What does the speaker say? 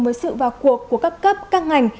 với sự vào cuộc của các cấp các ngành